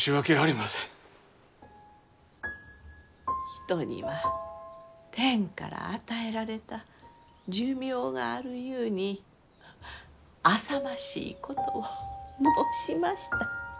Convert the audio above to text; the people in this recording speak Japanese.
人には天から与えられた寿命があるゆうにあさましいことを申しました。